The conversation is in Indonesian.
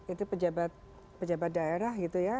itu pejabat pejabat daerah gitu ya